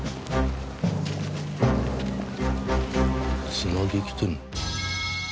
つなぎ着てるの？